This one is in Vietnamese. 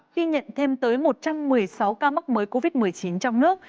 khi nhận thêm tới một trăm một mươi sáu ca mắc mới covid một mươi chín trong nước